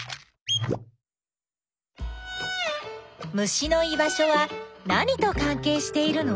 虫の居場所は何とかんけいしているの？